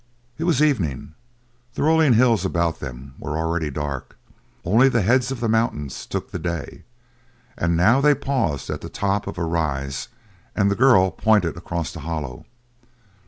It was evening: the rolling hills about them were already dark; only the heads of the mountains took the day; and now they paused at the top of a rise and the girl pointed across the hollow.